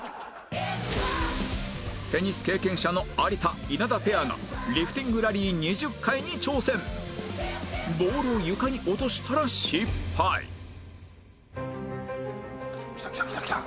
テニス経験者の有田稲田ペアがリフティングラリー２０回に挑戦きたきたきたきた。